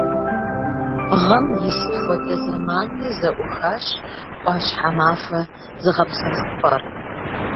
Гъэм и сыт хуэдэ зэманми зэӀухащ «Ӏуащхьэмахуэ» зыгъэпсэхупӀэр.